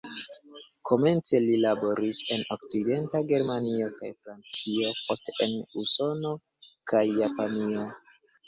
Komence li laboris en Okcidenta Germanio kaj Francio, poste en Usono kaj Japanio.